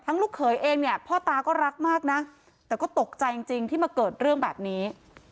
ลูกเขยเองเนี่ยพ่อตาก็รักมากนะแต่ก็ตกใจจริงที่มาเกิดเรื่องแบบนี้